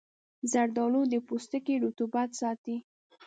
زردآلو د پوستکي رطوبت ساتي.